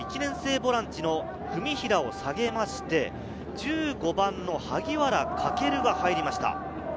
ボランチの文平を下げて、１５番の萩原駆が入りました。